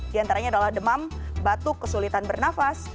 di antaranya adalah demam batuk kesulitan bernafas